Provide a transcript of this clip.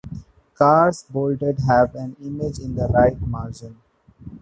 Cars bolded have an image in the right margin.